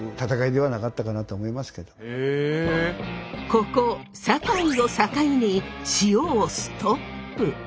ここ境を境に塩をストップ。